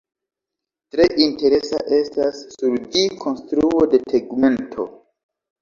Tre interesa estas sur ĝi konstruo de tegmento.